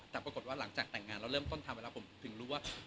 แต่ปรากฏว่าหลังจากแต่งงานแล้วเริ่มต้นทำไปแล้วผมถึงรู้ว่า